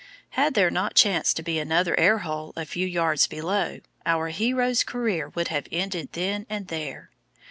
Had there not chanced to be another air hole a few yards below, our hero's career would have ended then and there.